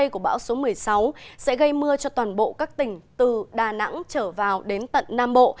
của bão số một mươi sáu sẽ gây mưa cho toàn bộ các tỉnh từ đà nẵng trở vào đến tận nam bộ